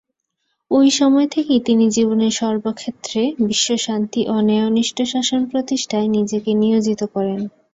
ওই সময় থেকেই তিনি জীবনের সর্বক্ষেত্রে বিশ্বশান্তি ও ন্যায়নিষ্ঠ শাসন প্রতিষ্ঠায় নিজেকে নিয়োজিত করেন।